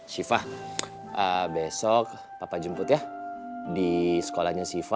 syifa besok papa jemput ya di sekolahnya syifa